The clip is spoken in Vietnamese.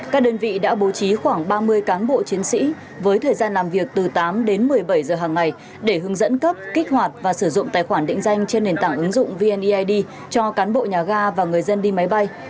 các đơn vị đã bố trí khoảng ba mươi cán bộ chiến sĩ với thời gian làm việc từ tám đến một mươi bảy giờ hàng ngày để hướng dẫn cấp kích hoạt và sử dụng tài khoản định danh trên nền tảng ứng dụng vneid cho cán bộ nhà ga và người dân đi máy bay